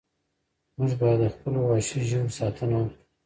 موږ باید د خپلو وحشي ژویو ساتنه وکړو.